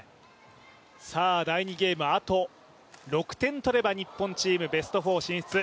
第２ゲームあと６点取れば日本チーム、準決勝進出。